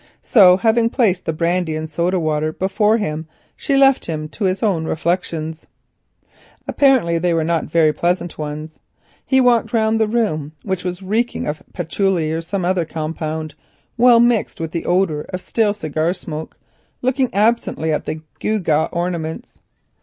So having placed the brandy and soda water before him she left him to his own reflections. Apparently they were not very pleasant ones. He walked round the room, which was reeking of patchouli or some such compound, well mixed with the odour of stale cigar smoke, looking absently at the gee gar ornaments.